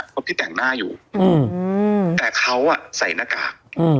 เพราะพี่แต่งหน้าอยู่แต่เขาใส่หน้ากาก